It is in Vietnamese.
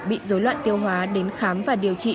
bị dối loạn tiêu hóa đến khám và điều trị